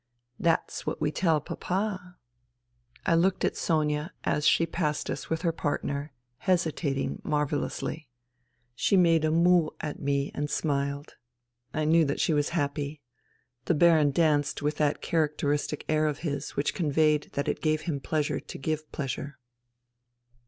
" That's what we tell Papa." I looked at Sonia, as she passed us with her part ner, " hesitating " marvellously. She made a moue Sit me and smiled. I knew that she was happy. The Baron danced with that characteristic air of his which conveyed that it gave him pleasure to give pleasure.